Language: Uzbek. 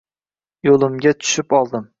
Yo‘limga tushib oldim.